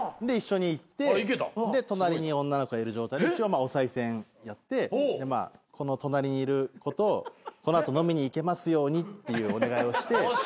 で一緒に行ってで隣に女の子いる状態で一応おさい銭やってこの隣にいる子とこの後飲みに行けますようにっていうお願いをして。